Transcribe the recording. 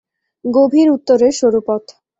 গভীর উত্তরের সরু পথ